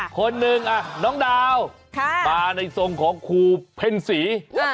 คนหนึ่งน้องดาวมาในทรงของครูเพ่นศรี